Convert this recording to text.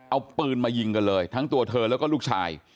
เอาปืนมายิงกันเลยทั้งตัวเธอแล้วก็ลูกชาย